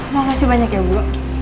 makasih banyak ya bu